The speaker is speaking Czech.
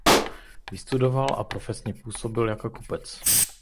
Vystudoval a profesně působil jako kupec.